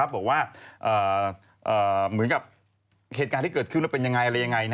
บอกว่าเหมือนกับเหตุการณ์ที่เกิดขึ้นเป็นอย่างไร